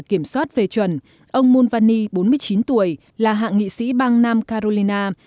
kiểm soát về chuẩn ông mulvaney bốn mươi chín tuổi là hạng nghị sĩ bang nam carolina